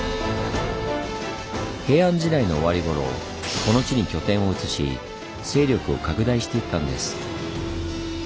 平安時代の終わり頃この地に拠点を移し勢力を拡大していったんです。